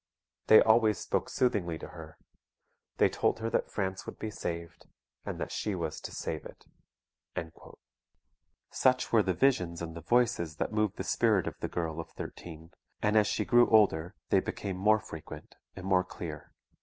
They always spoke soothingly to her. They told her that France would be saved, and that she was to save it." Such were the visions and the Voices that moved the spirit of the girl of thirteen; and as she grew older they became more frequent and more clear.